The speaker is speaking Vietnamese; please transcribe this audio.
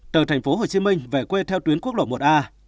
từ thành phố hồ chí minh về quê theo tuyến quốc lộ một a